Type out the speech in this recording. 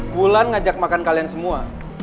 bulan ngajak makan kalian semua